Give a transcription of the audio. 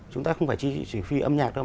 chúng ta không phải chỉ phi âm nhạc thôi